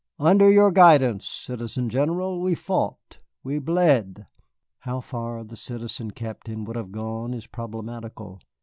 Under your guidance, Citizen General, we fought, we bled " How far the Citizen Captain would have gone is problematical.